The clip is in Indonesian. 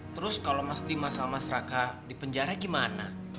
terus kalau mas dimas sama mas raka dipenjara gimana